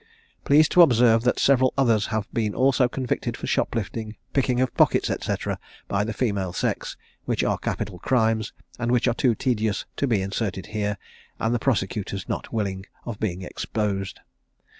"Please to observe that several others have been also convicted for shoplifting, picking of pockets, &c. by the female sex, which are capital crimes, and which are too tedious to be inserted here, and the prosecutors not willing of being exposed.